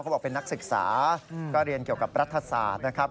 บอกเป็นนักศึกษาก็เรียนเกี่ยวกับรัฐศาสตร์นะครับ